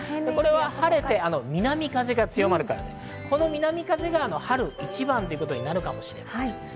これは晴れて南風が強まるから、この南風が春一番になるかもしれません。